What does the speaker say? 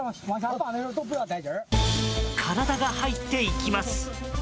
体が入っていきます。